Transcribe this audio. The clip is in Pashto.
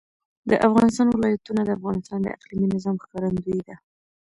د افغانستان ولايتونه د افغانستان د اقلیمي نظام ښکارندوی ده.